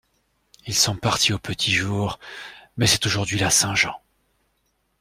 Ils sont partis au petit jour … mais c'est aujourd'hui la Saint-Jean.